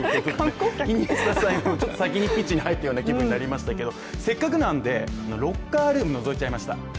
イニエスタさんよりもちょっと先にピッチに入ったような気になりましたけどせっかくなんで、ロッカールームのぞいちゃいました。